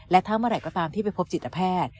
และถ้าเมื่อไหร่ก็ตามที่ไปพบจิตแพทย์